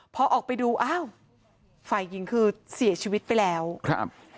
พอออกไปดูอ้าวฝ่ายหญิงคือเสียชีวิตไปแล้วครับ